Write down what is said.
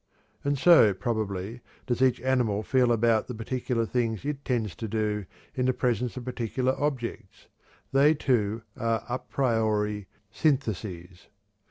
And so, probably, does each animal feel about the particular things it tends to do in the presence of particular objects. They, too, are a priori syntheses.